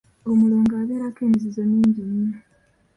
Omulongo abeerako emizizo mingi nnyo.